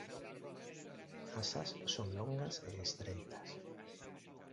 As ás son longas e estreitas.